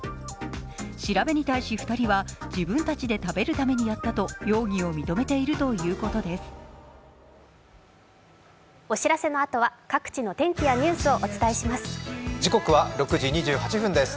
調べに対し２人は自分たちで食べるためにやったと容疑を認めているということです。